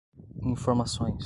informações